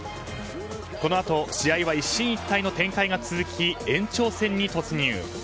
このあと試合は一進一退の展開が続き延長戦に突入。